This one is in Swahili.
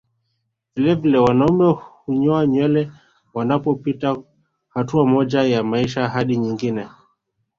Vilevile wanaume hunyoa nywele wanapopita hatua moja ya maisha hadi nyingine